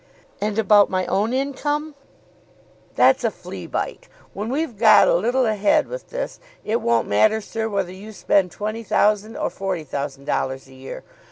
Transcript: "And about my own income?" "That's a flea bite. When we've got a little ahead with this it won't matter, sir, whether you spend twenty thousand or forty thousand dollars a year.